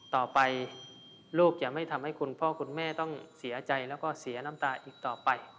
ต่อไปลูกจะไม่ทำให้คุณพ่อคุณแม่ต้องเสียใจแล้วก็เสียน้ำตาอีกต่อไป